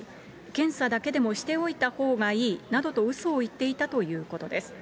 検査だけでもしておいたほうがいいなどとうそを言っていたということです。